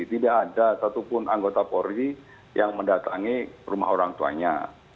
tidak ada satupun anggota polri yang mendatangi rumah orang tuanya